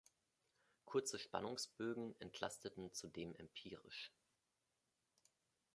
Kurze Spannungsbögen entlasteten zudem empirisch.